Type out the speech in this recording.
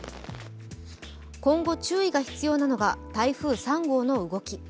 今後注意が必要なのが、台風３号の動き。